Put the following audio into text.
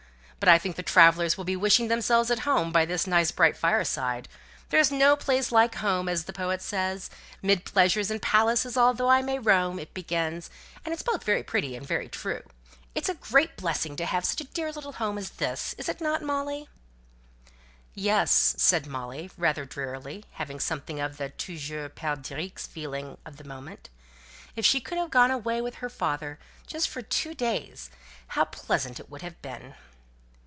But I think the travellers will be wishing themselves at home by this nice bright fireside. 'There's no place like home,' as the poet says. 'Mid pleasures and palaces although I may roam,' it begins, and it's both very pretty and very true. It's a great blessing to have such a dear little home as this, is not it, Molly?" "Yes," said Molly, rather drearily, having something of the "toujours perdrix" feeling at the moment. If she could but have gone away with her father, just for two days, how pleasant it would have been.